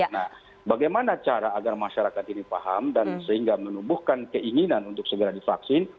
nah bagaimana cara agar masyarakat ini paham dan sehingga menubuhkan keinginan untuk vaksin